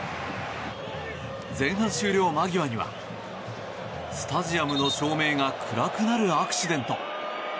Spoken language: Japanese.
前半終了間際にはスタジアムの照明が暗くなるアクシデント。